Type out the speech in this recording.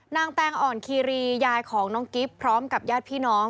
แตงอ่อนคีรียายของน้องกิ๊บพร้อมกับญาติพี่น้อง